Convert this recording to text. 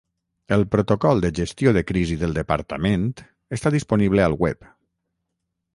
El protocol de gestió de crisi del Departament està disponible al web.